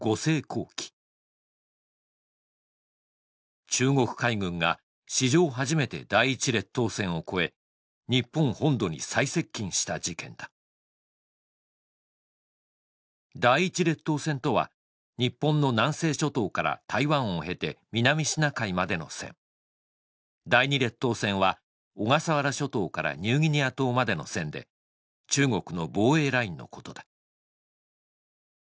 紅旗中国海軍が史上初めて第１列島線を越え日本本土に最接近した事件だ第１列島線とは日本の南西諸島から台湾を経て南シナ海までの線第２列島線は小笠原諸島からニューギニア島までの線で中国の防衛ラインのことだ